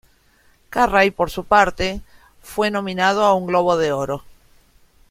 Carrey, por su parte, fue nominado a un Globo de Oro.